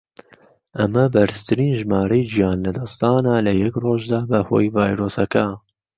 ئەمە بەرزترین ژمارەی گیان لەدەستدانە لە یەک ڕۆژدا بەهۆی ڤایرۆسەکە.